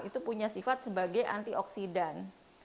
itu punya sifat sebagai antioksidan